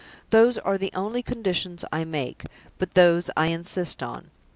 Those are the only conditions I make; but those I insist on.